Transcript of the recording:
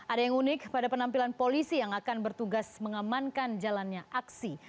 ada yang unik pada penampilan polisi yang akan bertugas mengamankan jalannya aksi